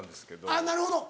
あっなるほど。